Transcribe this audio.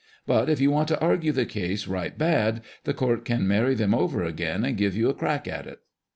But if you want to argue the case, right bad, the court can marry them over again and give you a crack at it."